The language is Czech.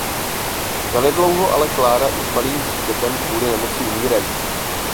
Zanedlouho ale Klára i s malým dítětem kvůli nemoci umírají.